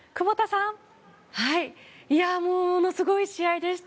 ものすごい試合でした。